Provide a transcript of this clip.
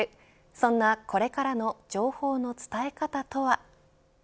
そんなこれからの情報の伝え方とは。